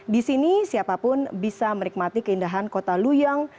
di sini siapapun bisa menikmati keindahan kota luyang